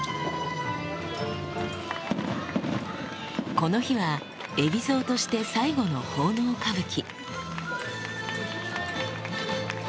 この日は海老蔵として最後の奉納歌舞伎